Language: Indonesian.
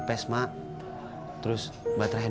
padahal exposing dia tuh pertama kali